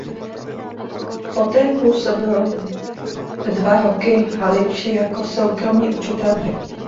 Poté působil v dva roky Haliči jako soukromý učitel hudby.